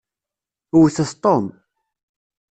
Wwtet Tom.